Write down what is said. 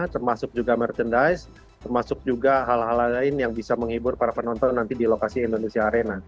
termasuk juga merchandise termasuk juga hal hal lain yang bisa menghibur para penonton nanti di lokasi indonesia arena